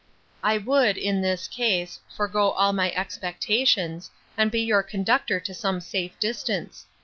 I would, in this case, forego all my expectations, and be your conductor to some safe distance.